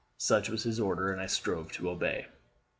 Such was his order, and I strove to obey.